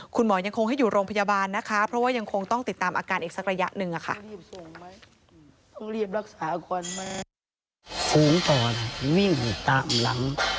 คุณหมอยังคงให้อยู่โรงพยาบาลนะคะเพราะว่ายังคงต้องติดตามอาการอีกสักระยะหนึ่งค่ะ